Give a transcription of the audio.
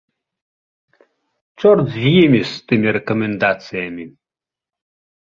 Чорт з імі, з тымі рэкамендацыямі.